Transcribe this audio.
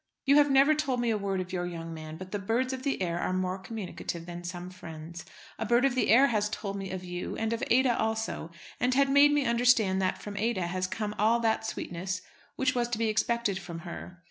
You have never told me a word of your young man; but the birds of the air are more communicative than some friends. A bird of the air has told me of you, and of Ada also, and had made me understand that from Ada has come all that sweetness which was to be expected from her.